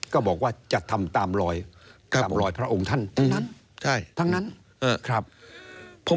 ก็บอกว่าจะทำตามรอยกับรอยพระองค์ท่านทั้งนั้นทั้งนั้น